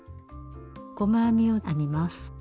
細編みを編みます。